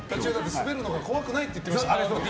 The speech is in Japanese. スベるのが怖くないって言ってましたね。